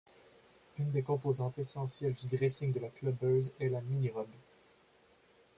Une des composantes essentielles du dressing de la Clubbeuse est la mini-robe.